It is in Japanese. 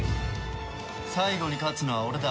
最後に勝つのは俺だ。